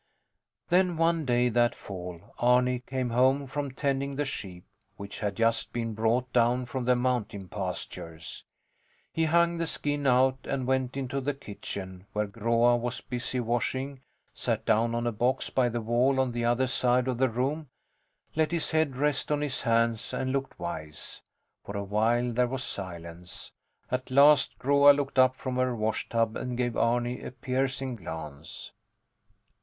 Then one day that fall, Arni came home from tending the sheep, which had just been brought down from the mountain pastures. He hung the skin out and went into the kitchen, where Groa was busy washing, sat down on a box by the wall on the other side of the room, let his head rest on his hands, and looked wise. For a while there was silence. At last Groa looked up from her washtub and gave Arni a piercing glance.